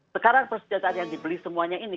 sekarang persenjataan yang dibeli semuanya ini